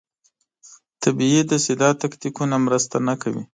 طبیعي ده چې دا تکتیکونه مرسته نه کوي.